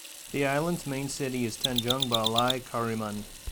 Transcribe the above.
The island's main city is Tanjung Balai Karimun.